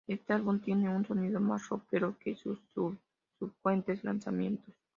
Este álbum tiene un sonido más rockero que sus subsecuentes lanzamientos.